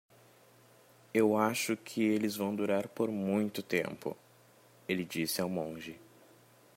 "Eu acho que eles vão durar por muito tempo?" ele disse ao monge.